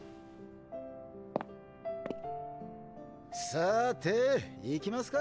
さーていきますか。